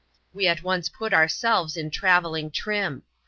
We at once put ourselves in travelling trim.